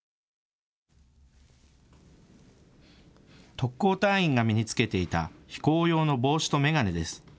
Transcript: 特攻隊員が身に着けていた飛行用の帽子と眼鏡です。